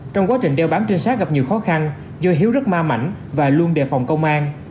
trong quá trình đeo bám trinh sát gặp nhiều khó khăn do hiếu rất ma mảnh và luôn đề phòng công an